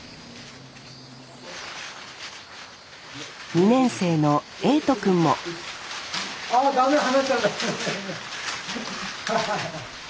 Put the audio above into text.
２年生の瑛音くんもあ駄目離しちゃった！